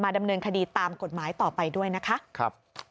ดำเนินคดีตามกฎหมายต่อไปด้วยนะคะ